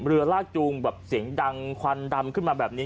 เรือลากจูงแบบเสียงดังควันดำขึ้นมาแบบนี้